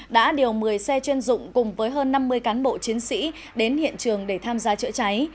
đã điều một mươi xe chuyên dụng cùng với hơn năm mươi cán bộ chiến sĩ đến hiện trường để tham gia chữa cháy